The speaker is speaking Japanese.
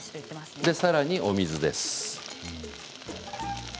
さらに、お水です。